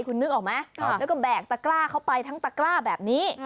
คุณนึกออกไหมแล้วก็แบกตะกล้าเข้าไปทั้งตะกล้าแบบนี้